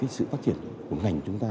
sự phát triển của ngành chúng ta